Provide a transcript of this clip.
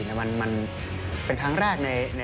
ก็คือคุณอันนบสิงต์โตทองนะครับ